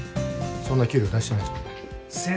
そんな給料出してないぞ